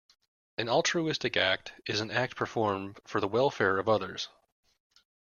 An altruistic act is an act performed for the welfare of others.